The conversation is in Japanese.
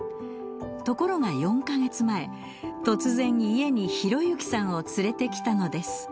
ところが４か月前突然家に宏幸さんを連れてきたのです。